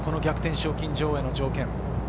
賞金女王への条件。